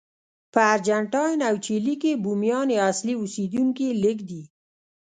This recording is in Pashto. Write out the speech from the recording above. په ارجنټاین او چیلي کې بومیان یا اصلي اوسېدونکي لږ دي.